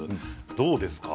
どうですか？